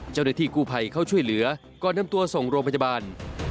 เจ้าหน้าที่กู้ภัยเข้าช่วยเหลือก่อนนำตัวส่งโรงพยาบาล